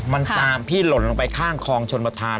มันตามพี่หล่นลงไปข้างคลองชนประธาน